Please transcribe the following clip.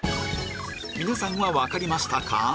皆さんは分かりましたか？